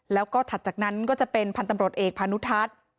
แล้วก็ถัดจากนั้นก็จะเป็นพันธุ์ตำรวจเอกพานุทัศน์